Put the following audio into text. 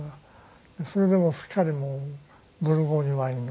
それですっかりもうブルゴーニュワインの。